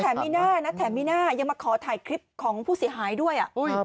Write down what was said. ใช่ค่ะแล้วแถมมีน่าอย่ามาขอถ่ายคลิปของผู้เสียหายด้วย